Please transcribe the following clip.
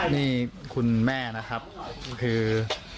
นี่คุณแม่นะครับคือ